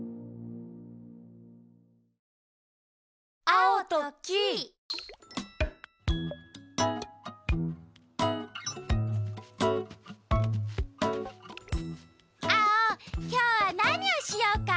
アオきょうはなにをしようか？